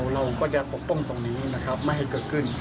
เราก็จะปกป้องตรงนี้นะครับไม่ให้เกิดขึ้น